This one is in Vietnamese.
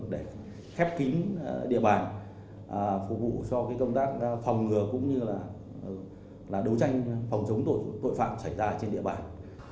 để khép kín địa bàn phục vụ cho công tác phòng ngừa cũng như là đấu tranh phòng chống tội phạm xảy ra trên địa bàn